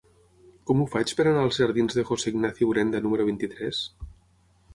Com ho faig per anar als jardins de José Ignacio Urenda número vint-i-tres?